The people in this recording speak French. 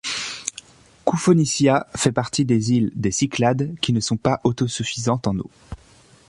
Koufonissia fait partie des îles des Cyclades qui ne sont pas autosuffisantes en eau.